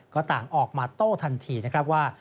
ก็ต่างออกมาโต้ทันทีนะครับว่า